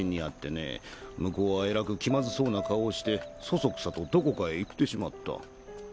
向こうはえらく気まずそうな顔をしてそそくさとどこかへ行ってしまった。